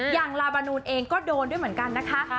ลาบานูนเองก็โดนด้วยเหมือนกันนะคะ